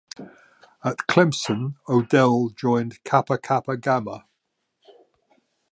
At Clemson, O'Dell joined Kappa Kappa Gamma.